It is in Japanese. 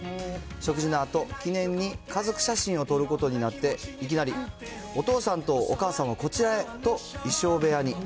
食事のあと、記念に家族写真を撮ることになって、いきなり、お父さんとお母さんはこちらへと衣装部屋に。